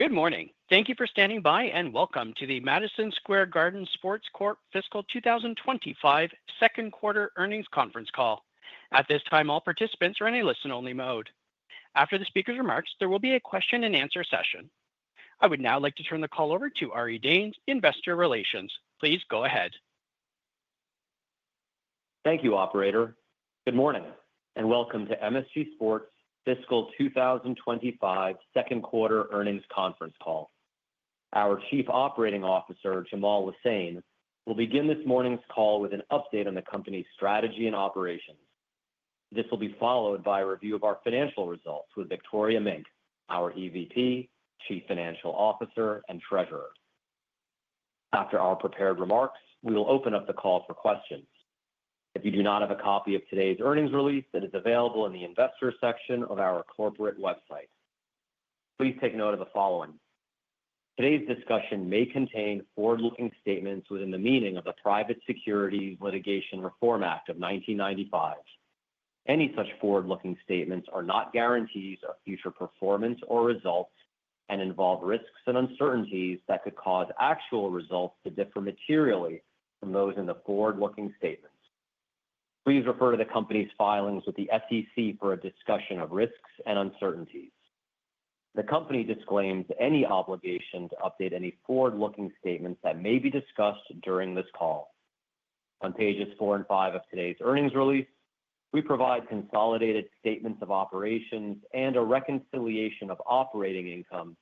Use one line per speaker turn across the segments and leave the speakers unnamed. Good morning. Thank you for standing by and welcome to the Madison Square Garden Sports Corp. Fiscal 2025 second quarter earnings conference call. At this time, all participants are in a listen-only mode. After the speaker's remarks, there will be a question-and-answer session. I would now like to turn the call over to Ari Danes, Investor Relations. Please go ahead.
Thank you, Operator. Good morning and welcome to MSG Sports Fiscal 2025 second quarter earnings conference call. Our Chief Operating Officer, Jamaal Lesane, will begin this morning's call with an update on the company's strategy and operations. This will be followed by a review of our financial results with Victoria Mink, our EVP, Chief Financial Officer, and Treasurer. After our prepared remarks, we will open up the call for questions. If you do not have a copy of today's earnings release, it is available in the investor section of our corporate website. Please take note of the following: today's discussion may contain forward-looking statements within the meaning of the Private Securities Litigation Reform Act of 1995. Any such forward-looking statements are not guarantees of future performance or results and involve risks and uncertainties that could cause actual results to differ materially from those in the forward-looking statements. Please refer to the company's filings with the SEC for a discussion of risks and uncertainties. The company disclaims any obligation to update any forward-looking statements that may be discussed during this call. On pages four and five of today's earnings release, we provide consolidated statements of operations and a reconciliation of operating income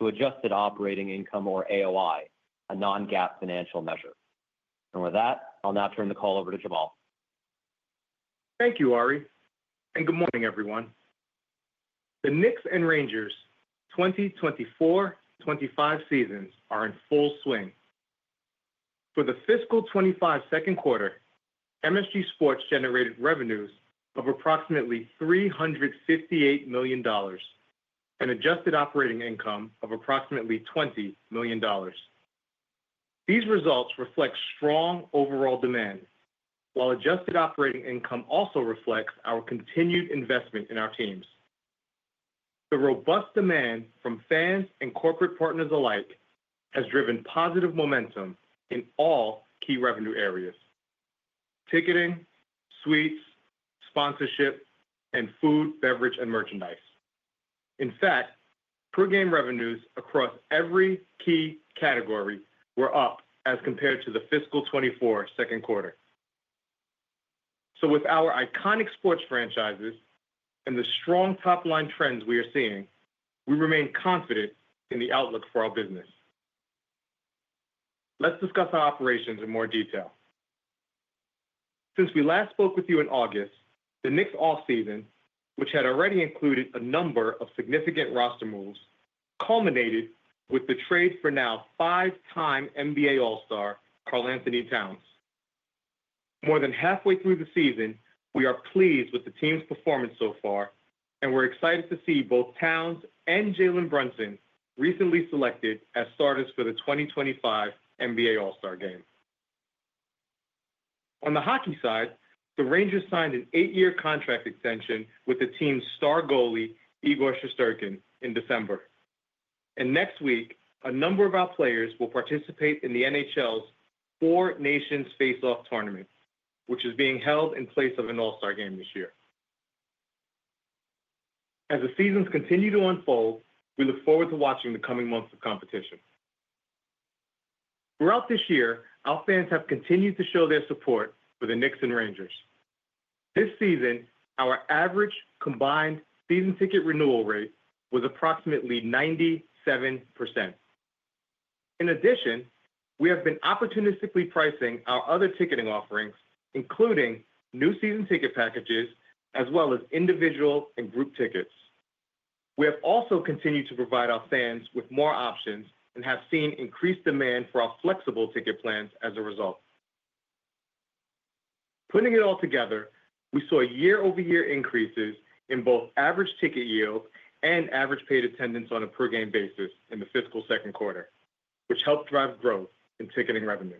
to adjusted operating income, or AOI, a non-GAAP financial measure. With that, I'll now turn the call over to Jamaal.
Thank you, Ari. Good morning, everyone. The Knicks and Rangers' 2024-25 seasons are in full swing. For the fiscal '25 second quarter, MSG Sports generated revenues of approximately $358 million and adjusted operating income of approximately $20 million. These results reflect strong overall demand, while adjusted operating income also reflects our continued investment in our teams. The robust demand from fans and corporate partners alike has driven positive momentum in all key revenue areas: ticketing, suites, sponsorship, and food, beverage, and merchandise. In fact, per-game revenues across every key category were up as compared to the fiscal '24 second quarter. With our iconic sports franchises and the strong top-line trends we are seeing, we remain confident in the outlook for our business. Let's discuss our operations in more detail. Since we last spoke with you in August, the Knicks' offseason, which had already included a number of significant roster moves, culminated with the trade for now five-time NBA All-Star, Karl-Anthony Towns. More than halfway through the season, we are pleased with the team's performance so far, and we're excited to see both Towns and Jalen Brunson recently selected as starters for the 2025 NBA All-Star Game. On the hockey side, the Rangers signed an eight-year contract extension with the team's star goalie, Igor Shesterkin, in December, and next week, a number of our players will participate in the NHL's 4 Nations Face-Off Tournament, which is being held in place of an All-Star Game this year. As the seasons continue to unfold, we look forward to watching the coming months of competition. Throughout this year, our fans have continued to show their support for the Knicks and Rangers. This season, our average combined season ticket renewal rate was approximately 97%. In addition, we have been opportunistically pricing our other ticketing offerings, including new season ticket packages as well as individual and group tickets. We have also continued to provide our fans with more options and have seen increased demand for our flexible ticket plans as a result. Putting it all together, we saw year-over-year increases in both average ticket yield and average paid attendance on a per-game basis in the fiscal second quarter, which helped drive growth in ticketing revenue.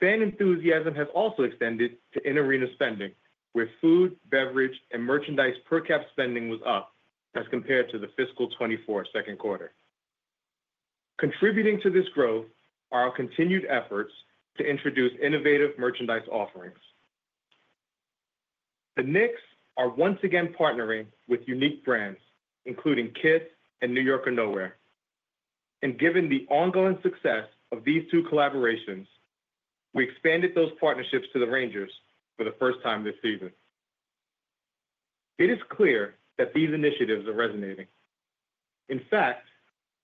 Fan enthusiasm has also extended to in-arena spending, where food, beverage, and merchandise per-cap spending was up as compared to the fiscal 2024 second quarter. Contributing to this growth are our continued efforts to introduce innovative merchandise offerings. The Knicks are once again partnering with unique brands, including Kith and New York or Nowhere. Given the ongoing success of these two collaborations, we expanded those partnerships to the Rangers for the first time this season. It is clear that these initiatives are resonating. In fact,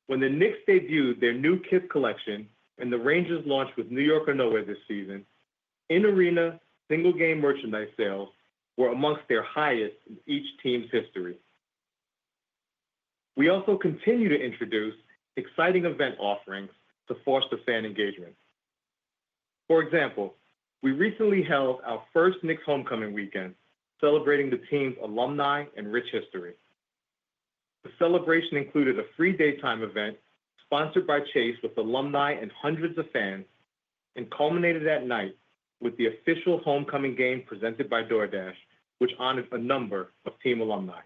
when the Knicks debuted their new Kith collection and the Rangers launched with New York or Nowhere this season, in-arena single-game merchandise sales were among their highest in each team's history. We also continue to introduce exciting event offerings to foster fan engagement. For example, we recently held our first Knicks homecoming weekend, celebrating the team's alumni and rich history. The celebration included a free daytime event sponsored by Chase with alumni and hundreds of fans and culminated that night with the official homecoming game presented by DoorDash, which honored a number of team alumni.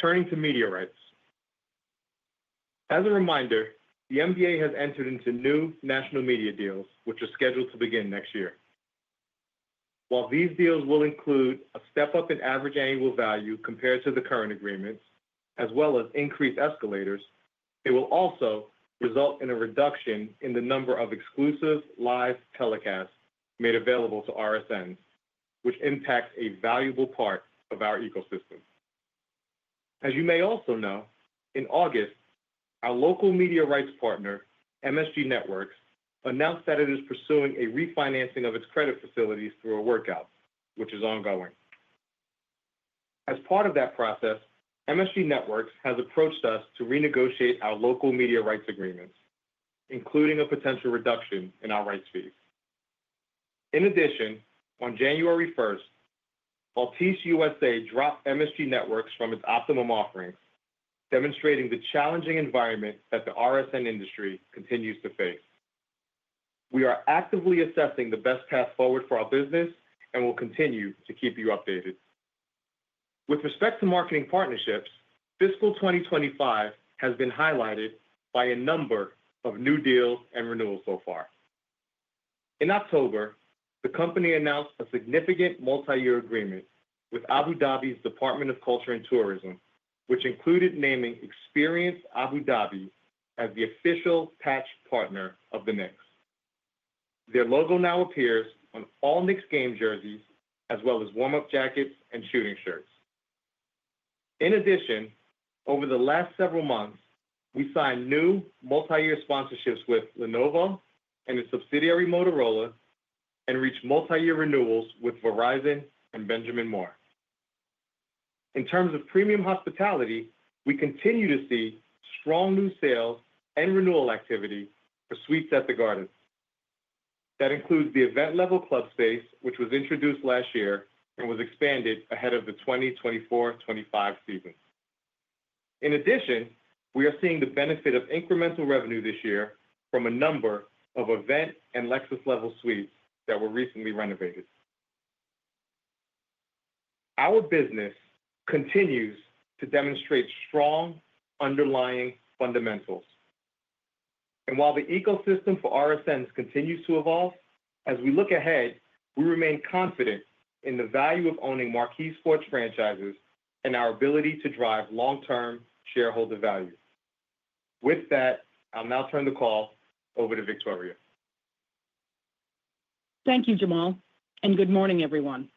Turning to media rights. As a reminder, the NBA has entered into new national media deals, which are scheduled to begin next year. While these deals will include a step up in average annual value compared to the current agreements, as well as increased escalators, they will also result in a reduction in the number of exclusive live telecasts made available to RSNs, which impacts a valuable part of our ecosystem. As you may also know, in August, our local media rights partner, MSG Networks, announced that it is pursuing a refinancing of its credit facilities through a workout, which is ongoing. As part of that process, MSG Networks has approached us to renegotiate our local media rights agreements, including a potential reduction in our rights fees. In addition, on January 1st, Altice USA dropped MSG Networks from its Optimum offerings, demonstrating the challenging environment that the RSN industry continues to face. We are actively assessing the best path forward for our business and will continue to keep you updated. With respect to marketing partnerships, fiscal 2025 has been highlighted by a number of new deals and renewals so far. In October, the company announced a significant multi-year agreement with Abu Dhabi's Department of Culture and Tourism, which included naming Experience Abu Dhabi as the official patch partner of the Knicks. Their logo now appears on all Knicks game jerseys, as well as warm-up jackets and shooting shirts. In addition, over the last several months, we signed new multi-year sponsorships with Lenovo and its subsidiary Motorola and reached multi-year renewals with Verizon and Benjamin Moore. In terms of premium hospitality, we continue to see strong new sales and renewal activity for suites at the Gardens. That includes the event-level club space, which was introduced last year and was expanded ahead of the 2024-25 season. In addition, we are seeing the benefit of incremental revenue this year from a number of event and Lexus-level suites that were recently renovated. Our business continues to demonstrate strong underlying fundamentals, and while the ecosystem for RSNs continues to evolve, as we look ahead, we remain confident in the value of owning MSG Sports franchises and our ability to drive long-term shareholder value. With that, I'll now turn the call over to Victoria.
Thank you, Jamal, and good morning, everyone.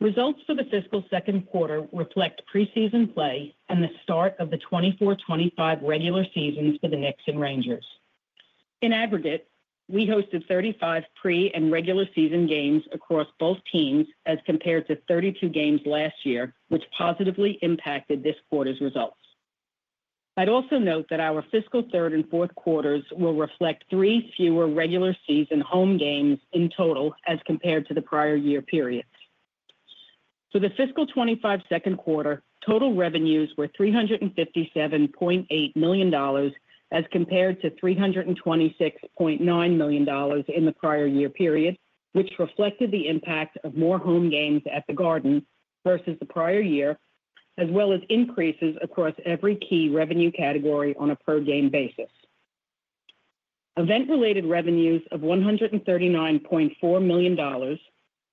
Results for the fiscal second quarter reflect preseason play and the start of the 2024-2025 regular seasons for the Knicks and Rangers. In aggregate, we hosted 35 pre- and regular season games across both teams as compared to 32 games last year, which positively impacted this quarter's results. I'd also note that our fiscal third and fourth quarters will reflect three fewer regular season home games in total as compared to the prior year period. For the fiscal 2025 second quarter, total revenues were $357.8 million as compared to $326.9 million in the prior year period, which reflected the impact of more home games at the Garden versus the prior year, as well as increases across every key revenue category on a per-game basis. Event-related revenues of $139.4 million,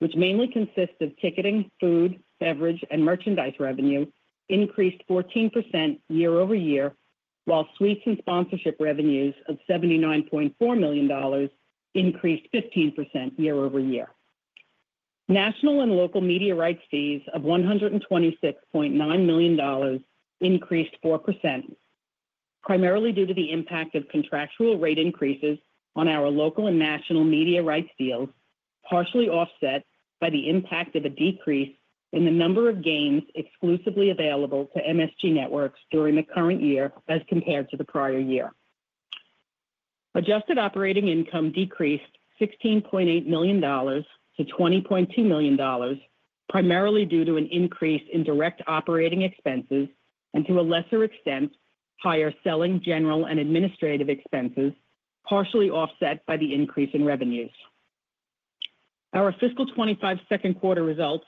which mainly consists of ticketing, food, beverage, and merchandise revenue, increased 14% year-over-year, while suites and sponsorship revenues of $79.4 million increased 15% year-over-year. National and local media rights fees of $126.9 million increased 4%, primarily due to the impact of contractual rate increases on our local and national media rights deals, partially offset by the impact of a decrease in the number of games exclusively available to MSG Networks during the current year as compared to the prior year. Adjusted operating income decreased $16.8 million to $20.2 million, primarily due to an increase in direct operating expenses and, to a lesser extent, higher selling general and administrative expenses, partially offset by the increase in revenues. Our fiscal 2025 second quarter results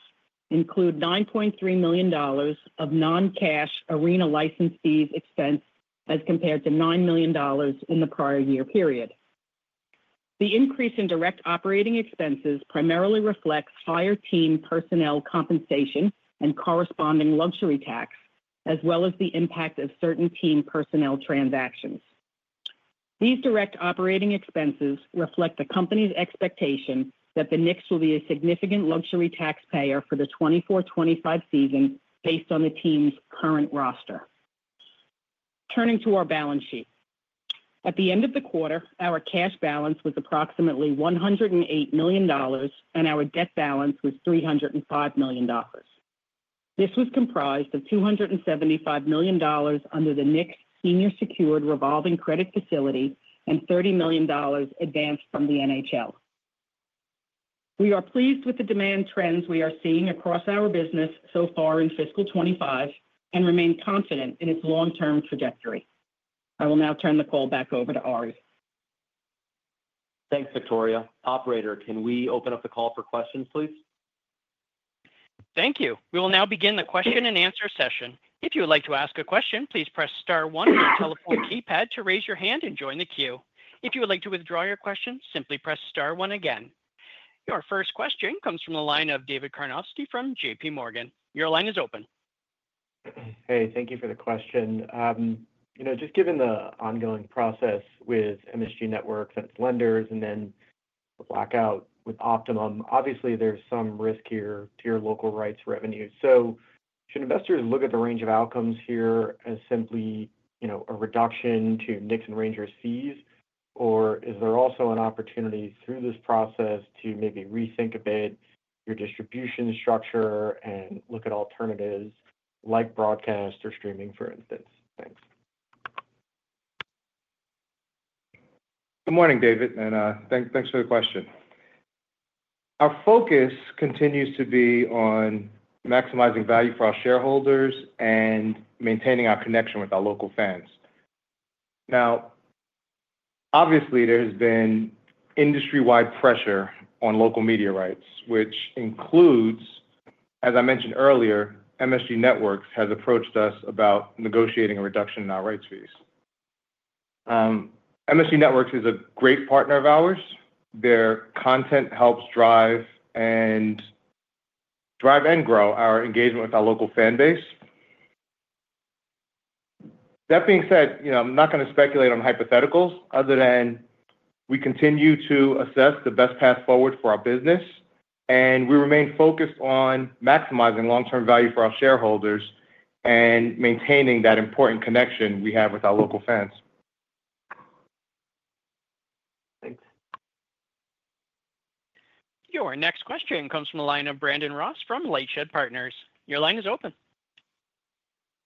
include $9.3 million of non-cash arena license fees expense as compared to $9 million in the prior year period. The increase in direct operating expenses primarily reflects higher team personnel compensation and corresponding luxury tax, as well as the impact of certain team personnel transactions. These direct operating expenses reflect the company's expectation that the Knicks will be a significant luxury taxpayer for the 2024-2025 season based on the team's current roster. Turning to our balance sheet. At the end of the quarter, our cash balance was approximately $108 million, and our debt balance was $305 million. This was comprised of $275 million under the Knicks Senior Secured Revolving Credit Facility and $30 million advanced from the NHL. We are pleased with the demand trends we are seeing across our business so far in fiscal 2025 and remain confident in its long-term trajectory. I will now turn the call back over to Ari.
Thanks, Victoria. Operator, can we open up the call for questions, please?
Thank you. We will now begin the question-and-answer session. If you would like to ask a question, please press star 1 on your telephone keypad to raise your hand and join the queue. If you would like to withdraw your question, simply press star 1 again. Your first question comes from the line of David Karnofsky from J.P. Morgan. Your line is open.
Hey, thank you for the question. You know, just given the ongoing process with MSG Networks and its lenders and then the blackout with Optimum, obviously there's some risk here to your local rights revenue. So should investors look at the range of outcomes here as simply, you know, a reduction to Knicks and Rangers fees, or is there also an opportunity through this process to maybe rethink a bit your distribution structure and look at alternatives like broadcast or streaming, for instance? Thanks.
Good morning, David, and thanks for the question. Our focus continues to be on maximizing value for our shareholders and maintaining our connection with our local fans. Now, obviously, there has been industry-wide pressure on local media rights, which includes, as I mentioned earlier, MSG Networks has approached us about negotiating a reduction in our rights fees. MSG Networks is a great partner of ours. Their content helps drive and grow our engagement with our local fan base. That being said, you know, I'm not going to speculate on hypotheticals other than we continue to assess the best path forward for our business, and we remain focused on maximizing long-term value for our shareholders and maintaining that important connection we have with our local fans.
Thanks.
Your next question comes from the line of Brandon Ross from LightShed Partners. Your line is open.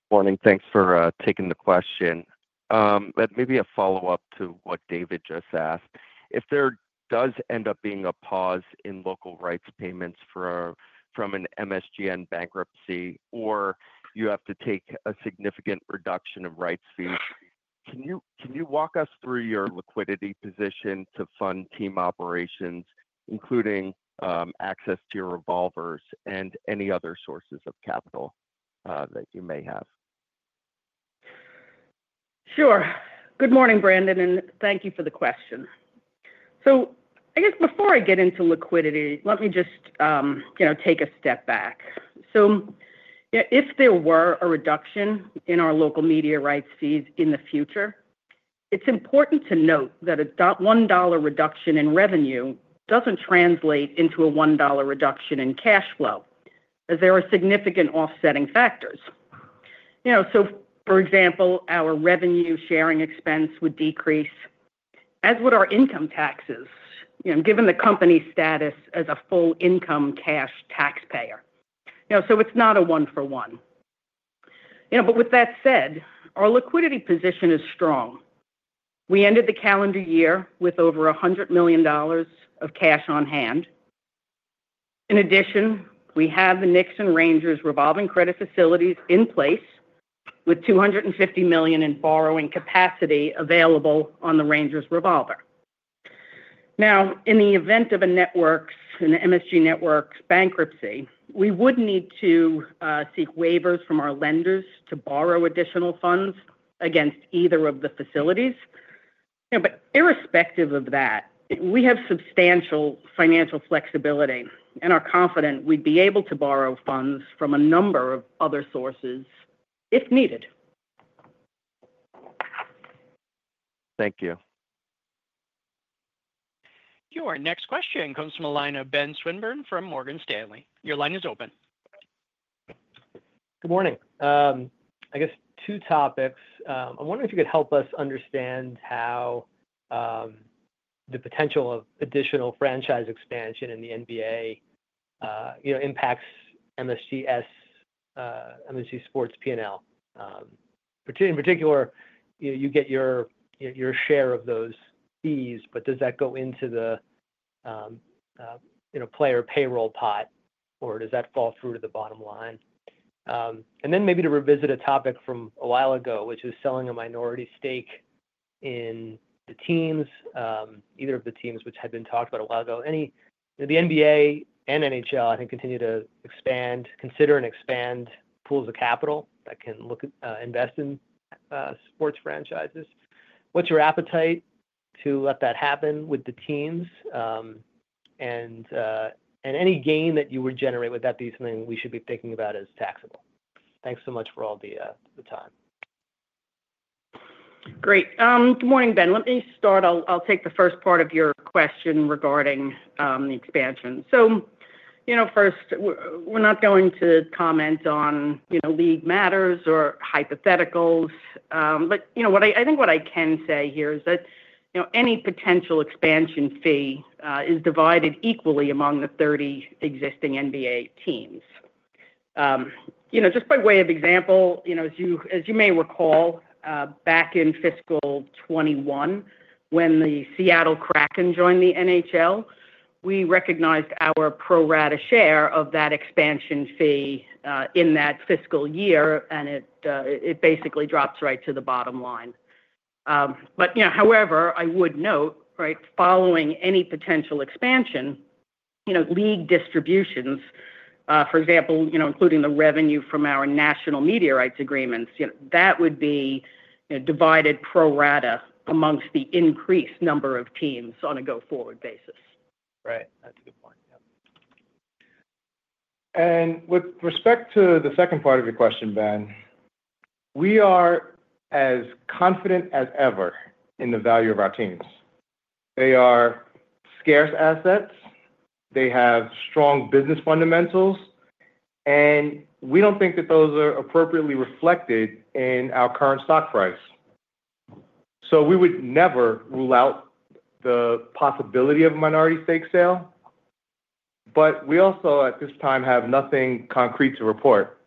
Morning. Thanks for taking the question. That may be a follow-up to what David just asked. If there does end up being a pause in local rights payments from an MSGN bankruptcy or you have to take a significant reduction of rights fees, can you walk us through your liquidity position to fund team operations, including access to your revolvers and any other sources of capital that you may have?
Sure. Good morning, Brandon, and thank you for the question. So I guess before I get into liquidity, let me just, you know, take a step back. So if there were a reduction in our local media rights fees in the future, it's important to note that a $1 reduction in revenue doesn't translate into a $1 reduction in cash flow, as there are significant offsetting factors. You know, so for example, our revenue sharing expense would decrease, as would our income taxes, you know, given the company's status as a full income cash taxpayer. You know, so it's not a one-for-one. You know, but with that said, our liquidity position is strong. We ended the calendar year with over $100 million of cash on hand. In addition, we have the Knicks and Rangers Revolving Credit Facilities in place with $250 million in borrowing capacity available on the Rangers revolver. Now, in the event of a network, an MSG Networks bankruptcy, we would need to seek waivers from our lenders to borrow additional funds against either of the facilities. You know, but irrespective of that, we have substantial financial flexibility, and are confident we'd be able to borrow funds from a number of other sources if needed.
Thank you.
Your next question comes from the line of Ben Swinburne from Morgan Stanley. Your line is open.
Good morning. I guess two topics. I'm wondering if you could help us understand how the potential of additional franchise expansion in the NBA, you know, impacts MSGS, MSG Sports P&L. In particular, you get your share of those fees, but does that go into the, you know, player payroll pot, or does that fall through to the bottom line? And then maybe to revisit a topic from a while ago, which was selling a minority stake in the teams, either of the teams which had been talked about a while ago. The NBA and NHL, I think, continue to expand, consider and expand pools of capital that can look at investing in sports franchises. What's your appetite to let that happen with the teams? And any gain that you would generate, would that be something we should be thinking about as taxable? Thanks so much for all the time.
Great. Good morning, Ben. Let me start. I'll take the first part of your question regarding the expansion. So, you know, first, we're not going to comment on, you know, league matters or hypotheticals. But, you know, what I think I can say here is that, you know, any potential expansion fee is divided equally among the 30 existing NBA teams. You know, just by way of example, you know, as you may recall, back in fiscal 2021, when the Seattle Kraken joined the NHL, we recognized our pro rata share of that expansion fee in that fiscal year, and it basically drops right to the bottom line. But, you know, however, I would note, right, following any potential expansion, you know, league distributions, for example, you know, including the revenue from our national media rights agreements, you know, that would be, you know, divided pro rata amongst the increased number of teams on a go-forward basis.
Right. That's a good point. Yeah.
And with respect to the second part of your question, Ben, we are as confident as ever in the value of our teams. They are scarce assets. They have strong business fundamentals. And we don't think that those are appropriately reflected in our current stock price. So we would never rule out the possibility of a minority stake sale. But we also, at this time, have nothing concrete to report.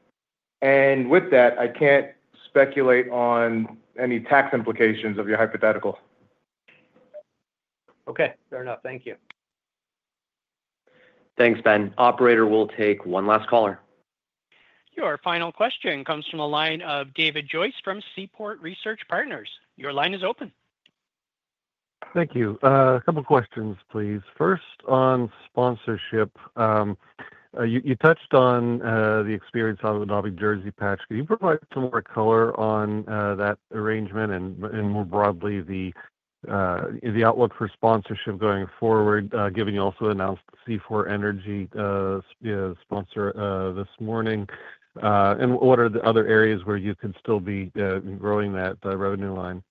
And with that, I can't speculate on any tax implications of your hypothetical.
Okay. Fair enough. Thank you.
Thanks, Ben. Operator will take one last caller.
Your final question comes from the line of David Joyce from Seaport Research Partners. Your line is open.
Thank you. A couple of questions, please. First, on sponsorship, you touched on the Experience Abu Dhabi Jersey Patch. Can you provide some more color on that arrangement and more broadly the outlook for sponsorship going forward, given you also announced C4 Energy sponsor this morning? And what are the other areas where you could still be growing that revenue line?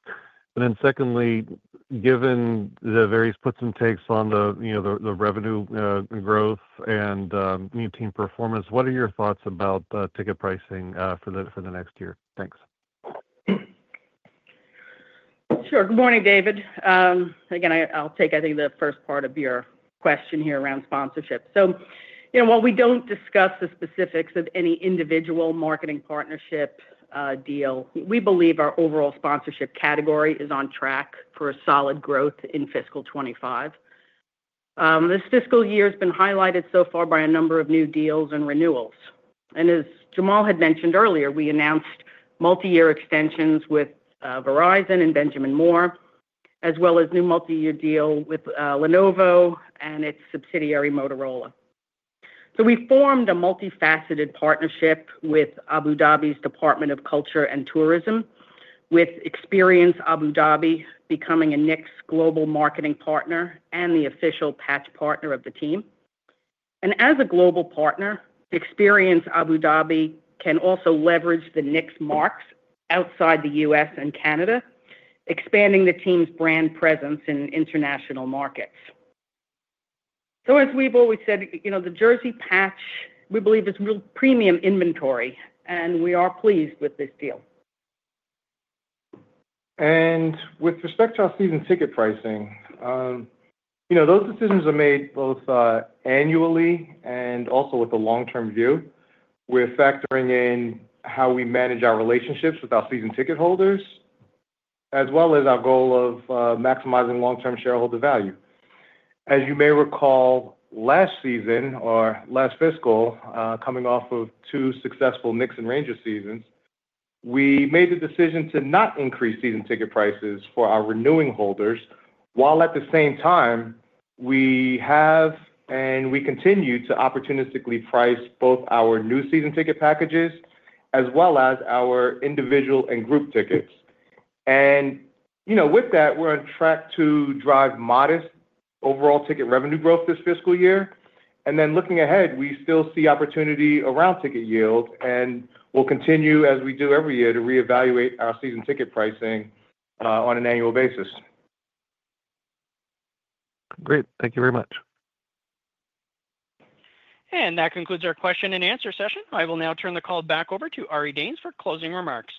And then secondly, given the various puts and takes on the, you know, the revenue growth and new team performance, what are your thoughts about ticket pricing for the next year? Thanks.
Sure. Good morning, David. Again, I'll take, I think, the first part of your question here around sponsorship. So, you know, while we don't discuss the specifics of any individual marketing partnership deal, we believe our overall sponsorship category is on track for solid growth in fiscal '25. This fiscal year has been highlighted so far by a number of new deals and renewals. And as Jamal had mentioned earlier, we announced multi-year extensions with Verizon and Benjamin Moore, as well as a new multi-year deal with Lenovo and its subsidiary Motorola. So we formed a multifaceted partnership with Abu Dhabi's Department of Culture and Tourism, with Experience Abu Dhabi becoming a Knicks global marketing partner and the official patch partner of the team. And as a global partner, Experience Abu Dhabi can also leverage the Knicks marks outside the U.S. and Canada, expanding the team's brand presence in international markets. So as we've always said, you know, the Jersey Patch, we believe, is real premium inventory, and we are pleased with this deal.
With respect to our season ticket pricing, you know, those decisions are made both annually and also with a long-term view. We're factoring in how we manage our relationships with our season ticket holders, as well as our goal of maximizing long-term shareholder value. As you may recall, last season or last fiscal, coming off of two successful Knicks and Rangers seasons, we made the decision to not increase season ticket prices for our renewing holders, while at the same time, we have and we continue to opportunistically price both our new season ticket packages as well as our individual and group tickets. You know, with that, we're on track to drive modest overall ticket revenue growth this fiscal year. Looking ahead, we still see opportunity around ticket yield, and we'll continue, as we do every year, to reevaluate our season ticket pricing on an annual basis.
Great. Thank you very much.
That concludes our question-and-answer session. I will now turn the call back over to Ari Danes for closing remarks.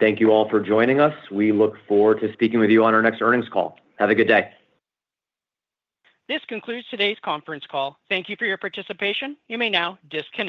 Thank you all for joining us. We look forward to speaking with you on our next earnings call. Have a good day.
This concludes today's conference call. Thank you for your participation. You may now disconnect.